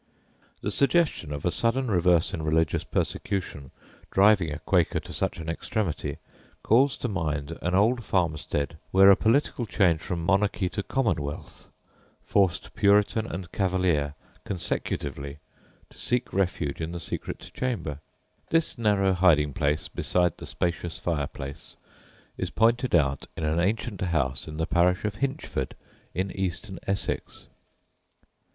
The suggestion of a sudden reverse in religious persecution driving a Quaker to such an extremity calls to mind an old farmstead where a political change from monarchy to commonwealth forced Puritan and cavalier consecutively to seek refuge in the secret chamber. This narrow hiding place, beside the spacious fire place, is pointed out in an ancient house in the parish of Hinchford, in Eastern Essex.